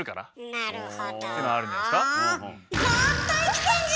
なるほど。